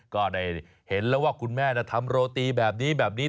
ก็ได้เห็นแล้วว่าคุณแม่ทำโรตีแบบนี้แบบนี้